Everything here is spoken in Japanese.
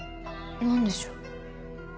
何でしょう？